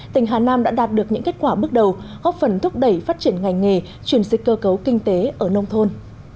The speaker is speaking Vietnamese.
tỉnh hà nam đã đạt được những kết quả bước đầu góp phần thúc đẩy phát triển ngành nghề truyền dịch cơ cấu kinh tế ở nông thôn